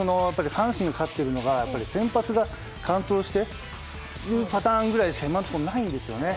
阪神が勝っているのが先発が完投しているパターンくらいしか今のところないんですよね。